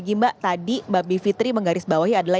gambar yang anda saksikan saat ini adalah